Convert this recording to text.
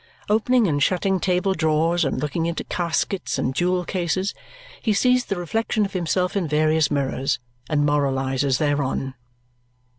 Opening and shutting table drawers and looking into caskets and jewel cases, he sees the reflection of himself in various mirrors, and moralizes thereon.